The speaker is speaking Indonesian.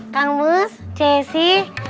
kang mus ceci